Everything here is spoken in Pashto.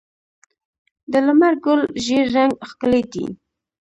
د لمر ګل ژیړ رنګ ښکلی دی.